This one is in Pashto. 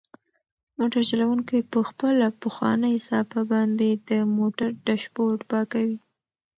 موټر چلونکی په خپله پخوانۍ صافه باندې د موټر ډشبورډ پاکوي.